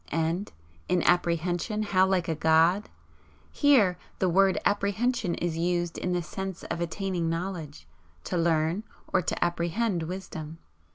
And 'in apprehension how like a god!' Here the word 'apprehension' is used in the sense of attaining knowledge, to learn, or to 'apprehend' wisdom.